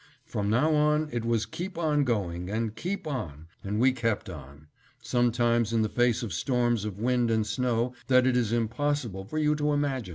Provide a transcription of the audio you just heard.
From now on it was keep on going, and keep on and we kept on; sometimes in the face of storms of wind and snow that it is impossible for you to imagine.